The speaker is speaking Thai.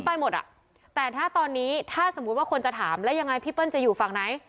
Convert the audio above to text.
ไปหมดอ่ะแต่ถ้าตอนนี้ถ้าสมมุติว่าคนจะถามแล้วยังไงพี่เปิ้ลจะอยู่ฝั่งไหน